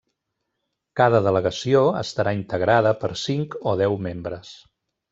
Cada delegació estarà integrada per cinc o deu membres.